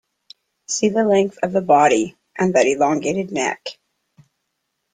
See the length of the body and that elongated neck.